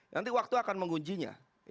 nanti waktu akan mengunjinya